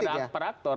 dari para aktor